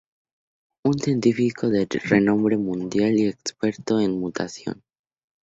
Un científico de renombre mundial y experto en mutación.